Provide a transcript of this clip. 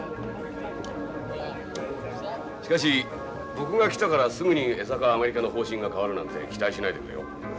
しかし僕が来たからすぐに江坂アメリカの方針が変わるなんて期待しないでくれよ。